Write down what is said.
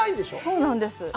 そうなんです。